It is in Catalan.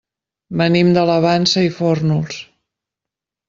Venim de la Vansa i Fórnols.